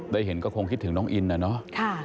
ได้เห็นก็คงคิดถึงน้องอินน่ะเนอะ